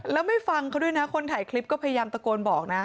แล้วไม่ฟังเขาด้วยนะคนถ่ายคลิปก็พยายามตะโกนบอกนะ